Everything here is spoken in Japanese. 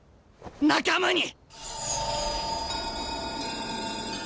仲間に！